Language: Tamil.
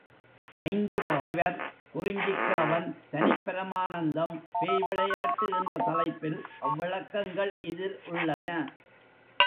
ஐந்து பகைவர், குறிஞ்சிக் கிழவன், தனிப்பரமானந்தம், பேய் விளையாட்டு என்ற தலைப்பில் அவ்விளக்கங்கள் இதில் உள்ளன.